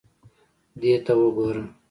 دې ته وګوره.